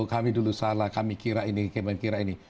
kami dulu salah kami kira ini kami kira ini